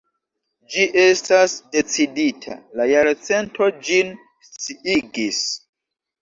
Ĝi estas decidita: _La Jarcento_ ĝin sciigis.